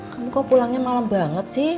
kamu kok pulangnya malam banget sih